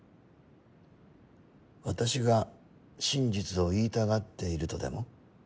私が真実を言いたがっているとでも？